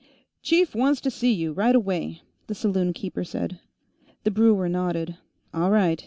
"Chief wants to see you, right away," the saloon keeper said. The brewer nodded. "All right.